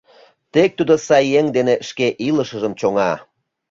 Тек тудо сай еҥ дене шке илышыжым чоҥа.